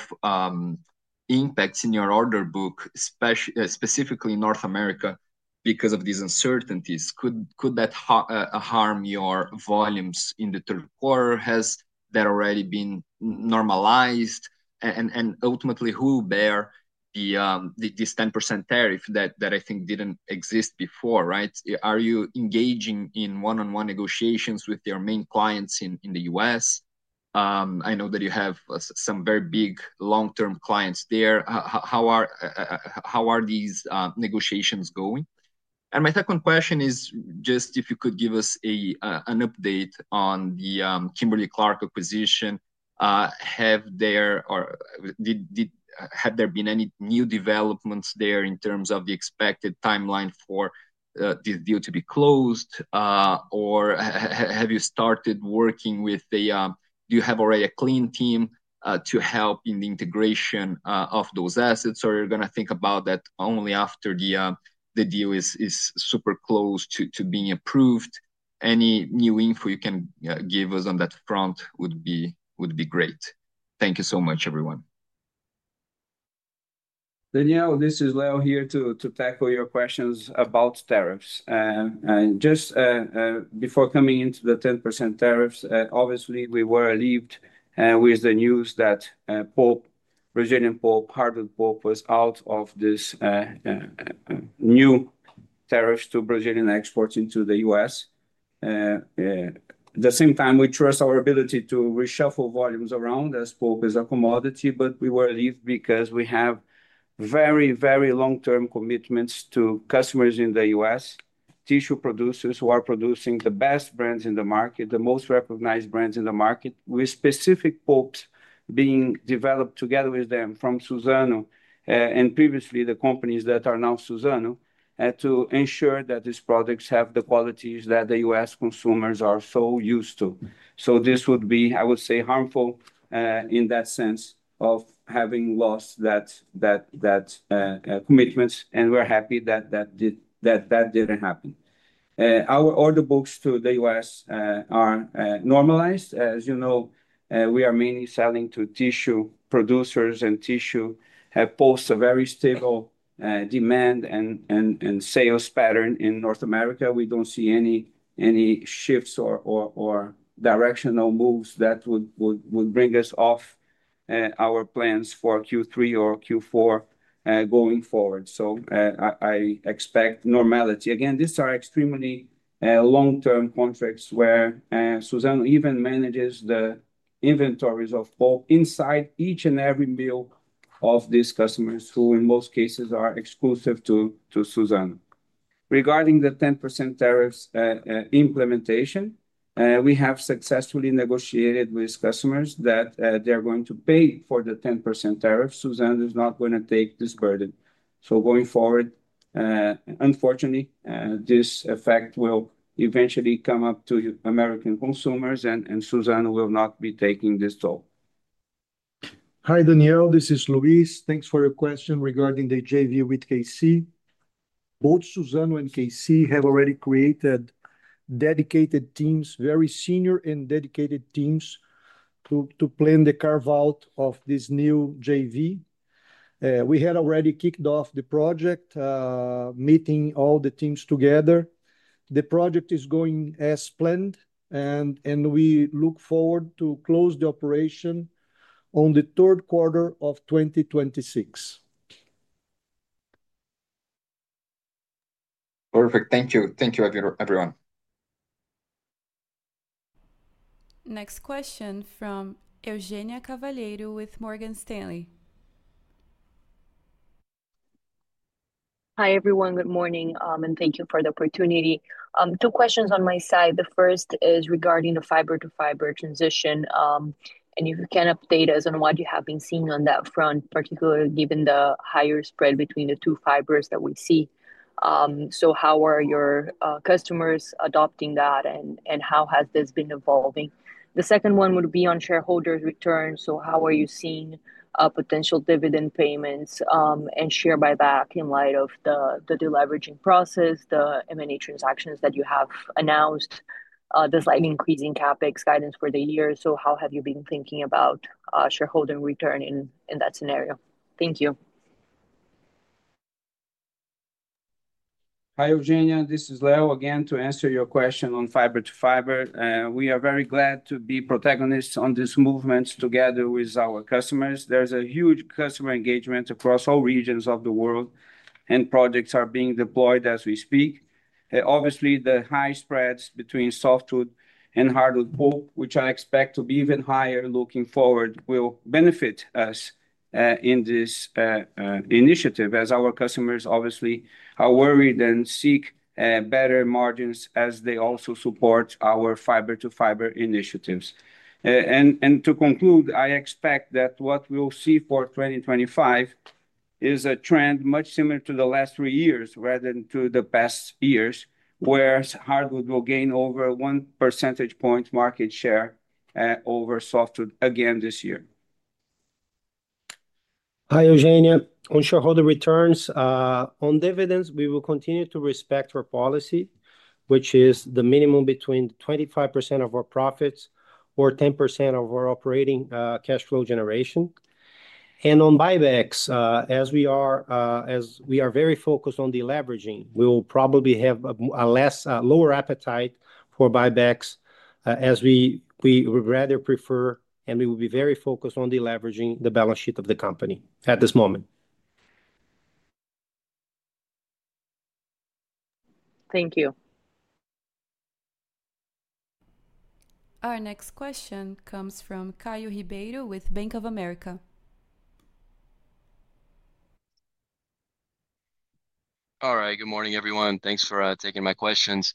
impacts in your order book specifically in North America because of these uncertainties? Could that harm your volumes in the third quarter? Has that already been normalized? Ultimately, who bears this 10% tariff that I think didn't exist before? Right. Are you engaging in one-on-one negotiations with your main clients in the U.S.? I know that you have some very big long-term clients there. How are these negotiations going? My second question is just if you could give us an update on the Kimberly-Clark acquisition. Have there been any new developments there in terms of the expected timeline for the deal to be closed, or have you started working with the clean team to help in the integration of those assets, or are you going to think about that only after the deal is super close to being approved? Any new info you can give us on that front would be great. Thank you so much everyone. Daniel, this is Leo here to tackle your questions about tariffs. Just before coming into the 10% tariffs, obviously we were relieved with the news that pulp, Brazilian pulp, hardwood pulp was out of this new tariffs to Brazilian exports into the U.S. at the same time. We trust our ability to reshuffle volumes around as pulp as a commodity. We were relieved because we have very, very long-term commitments to customers in the U.S., tissue producers who are producing the best brands in the market, the most recognized brands in the market with specific pulps being developed together with them from Suzano and previously the companies that are now Suzano to ensure that these products have the qualities that the U.S. consumers are so used to. This would be, I would say, harmful in that sense of having lost that commitment and we're happy that that didn't happen. Our order books to the U.S. are normalized. As you know, we are mainly selling to tissue producers and tissue posts a very stable demand and sales pattern in North America. We don't see any shifts or directional moves that would bring us off our plans for Q3 or Q4 going forward. I expect normality again. These are extremely long-term contracts where Suzano even manages the inventories of bulk inside each and every mill of these customers who in most cases are exclusive to Suzano. Regarding the 10% tariffs implementation, we have successfully negotiated with customers that they're going to pay for the 10% tariff. Suzano is not going to take this burden. Going forward, unfortunately this effect will eventually come up to American consumers. Suzano will not be taking this toll. Hi Daniel, this is Luis. Thanks for your question regarding the JV with KC. Both Suzano and KC have already created dedicated teams, very senior and dedicated teams to plan the carve out of this new JV. We had already kicked off the project meeting all the teams together. The project is going as planned, and we look forward to close the operation in the third quarter of 2026. Perfect. Thank you. Thank you, everyone. Next question from Eugenia Cavalheiro with Morgan Stanley. Hi everyone. Good morning and thank you for the opportunity. Two questions on my side. The first is regarding the fiber to fiber transition, and you can update us on what you have been seeing on that front, particularly given the higher spread between the two fibers that we see. How are your customers adopting that? How has this been evolving? The second one would be on shareholders return. How are you seeing potential dividend payments and share buyback in light of the deleveraging process the M&A transactions that you have announced the slightly increasing CapEx guidance for the year. How have you been thinking about shareholder return in that scenario? Thank you. Hi, Eugenia, this is Leo again. To answer your question on fiber to fiber, we are very glad to be protagonists on this movement together with our customers. There's a huge customer engagement across all regions of the world, and projects are being deployed as we speak. Obviously, the high spreads between softwood and hardwood pulp, which I expect to be even higher looking forward, will benefit us in this initiative as our customers obviously are worried and seek better margins as they also support our fiber to fiber initiatives. To conclude, I expect that what we'll see for 2025 is a trend much similar to the last three years rather than to the past years, where hardwood will gain over 1% market share over softwood again this year. Hi, Eugenia. On shareholder returns on dividends, we will continue to respect our policy, which is the minimum between 25% of our profits or 10% of our operating cash flow generation. On buybacks, as we are very focused on deleveraging, we will probably have a lower appetite for buybacks as we would rather prefer. We will be very focused on deleveraging the balance sheet of the company at this moment. Thank you. Our next question comes from Caio Ribeiro with Bank of America. All right, good morning everyone. Thanks for taking my questions.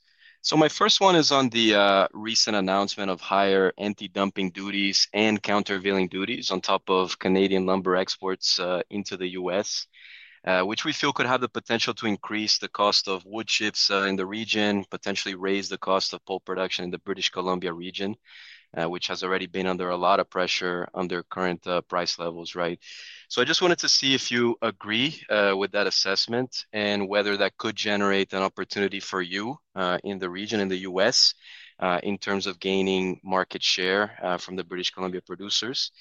My first one is on the recent announcement of higher anti-dumping duties and countervailing duties on top of Canadian lumber exports into the U.S., which we feel could have the potential to increase the cost of wood chips in the region, potentially raise the cost of pulp production in the British Columbia region, which has already been under a lot of pressure under current price levels. I just wanted to see if you agree with that assessment and whether that could generate an opportunity for you in the region, in the U.S. in terms of gaining market share from the British Columbia producers.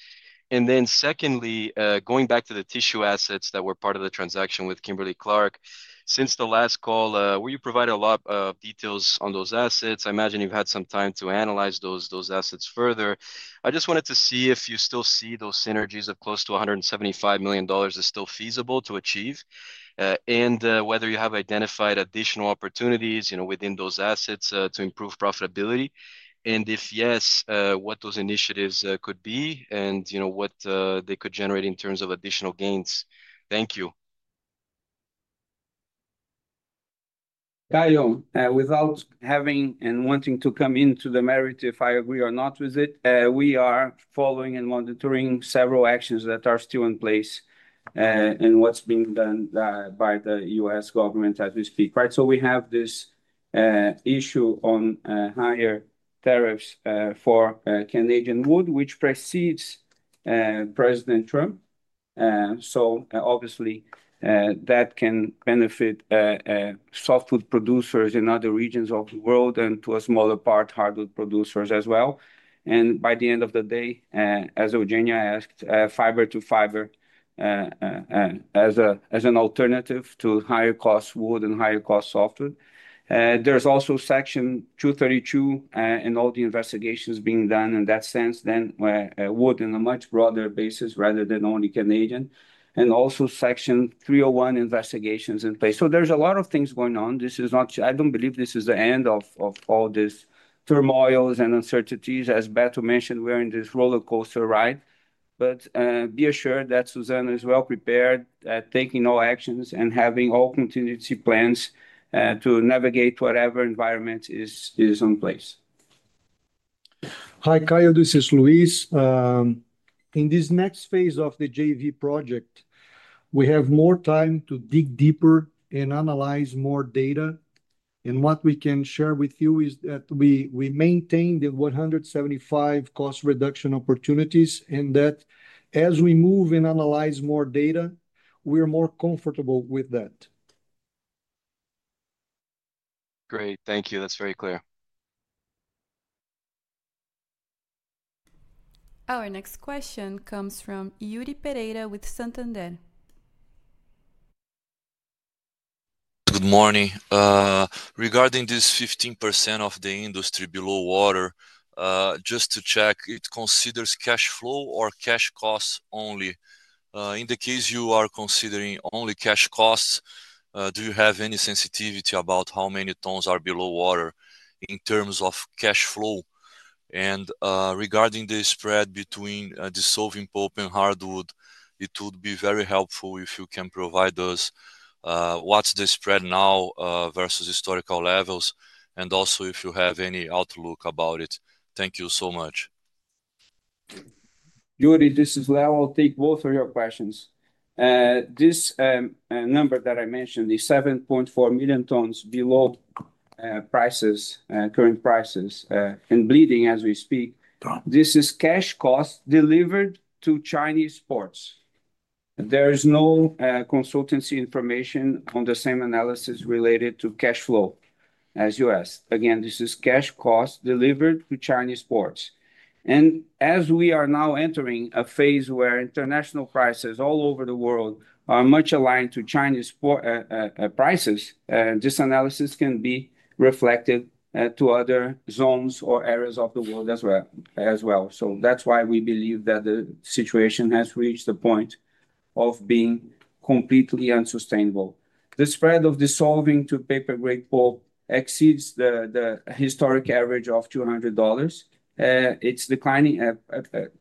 Secondly, going back to the tissue assets that were part of the transaction with Kimberly-Clark, since the last call where you provided a lot of details on those assets, I imagine you've had some time to analyze those assets further. I just wanted to see if you still see those synergies of close to $175 million as still feasible to achieve and whether you have identified additional opportunities within those assets to improve profitability and if yes, what those initiatives could be and what they could generate in terms of additional gains. Thank you. Caio. Without having and wanting to come into the merit if I agree or not with it, we are following and monitoring several actions that are still in place and what's being done by the U.S. Government at this peak. Right. We have this issue on higher tariffs for Canadian wood, which precedes President Trump. Obviously, that can benefit softwood producers in other regions of the world and, to a smaller part, hardwood producers as well. By the end of the day, as Eugenia asked, fiber to fiber as an alternative to higher cost wood and higher cost softwood. There is also Section 232 and all the investigations being done in that sense, then wood in a much broader basis rather than only Canadian, and also Section 301 investigations in place. There are a lot of things going on. I don't believe this is the end of all these turmoils and uncertainties. As Beto mentioned, we're in this roller coaster ride. Be assured that Suzano is well prepared and taking all actions and having all contingency plans to navigate whatever environment is in place. Hi Caio, this is Luis. In this next phase of the JV project, we have more time to dig deeper and analyze more data. What we can share with you is that we maintain the 175 cost reduction opportunities and that as we move and analyze more data, we're more comfortable with that. Great, thank you. That's very clear. Our next question comes from Yuri Pereira with Santander. Good morning. Regarding this, 15% of the industry below water, just to check it considers cash flow or cash costs only. In the case you are considering only cash costs, do you have any sensitivity about how many tons are below water in terms of cash flow and regarding the spread between dissolving pulp and hardwood, it would be very helpful if you can provide us what's the spread now versus historical levels and also if you have any outlook about it. Thank you so much. Yuri, this is Leo. I'll take both of your questions. This number that I mentioned is 7.4 million tons below prices, current prices and bleeding as we speak. This is cash cost delivered to Chinese ports. There is no consultancy information on the same analysis related to cash flow as us. Again, this is cash cost delivered to Chinese ports. As we are now entering a phase where international prices all over the world are much aligned to Chinese prices, this analysis can be reflected to other zones or areas of the world as well. That's why we believe that the situation has reached the point of being completely unsustainable. The spread of dissolving to paper grade pulp exceeds the historic average of $200. It's declining.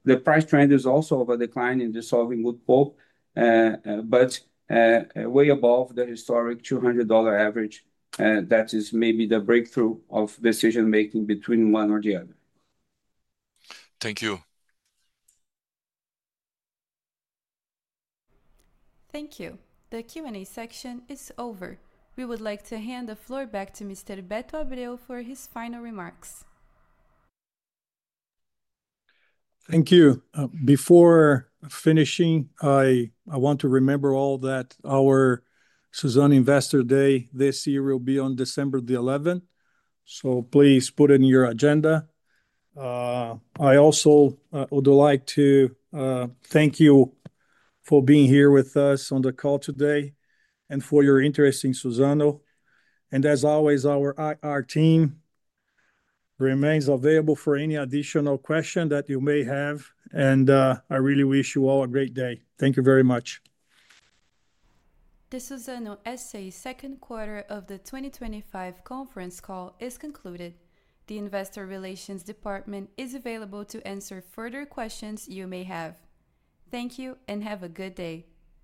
The price trend is also of a decline in dissolving wood pulp, but way above the historic $200 average. That is maybe the breakthrough of decision making between one or the other. Thank you. Thank you. The Q and A section is over. We would like to hand the floor back to Mr. Beto Abreu for his final remarks. Thank you. Before finishing, I want to remind all that our Suzano Investor Day this year will be on December 11th, so please put it in your agenda. I also would like to thank you for being here with us on the call today and for your interest in Suzano. As always, our team remains available for any additional question that you may have. I really wish you all a great day. Thank you very much. The Suzano S.A. second quarter of the 2025 conference call is concluded. The Investor Relations department is available to answer further questions you may have. Thank you and have a good day.